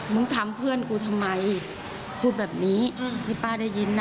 มึงทำเพื่อนกูทำไมพูดแบบนี้ให้ป้าได้ยินนะ